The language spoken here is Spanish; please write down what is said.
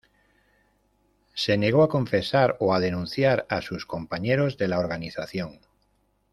Se negó a confesar o a denunciar a sus compañeros de la Organización.